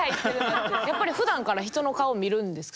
やっぱりふだんから人の顔見るんですか？